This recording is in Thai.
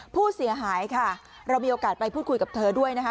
ผู้เสียหายค่ะเรามีโอกาสไปพูดคุยกับเธอด้วยนะคะ